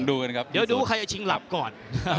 เดี๋ยวดูใครจะชิงหลับก่อน